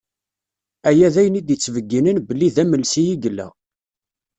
Aya d ayen i d-isbeyyinen belli d amelsi i yella.